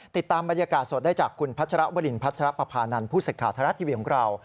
ติดตามบรรยากาศสดได้จากคุณพัชระวรินพัชระปะพานันผู้เสียงขาวธรรมดาทีวีของเรา